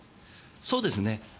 そうですね。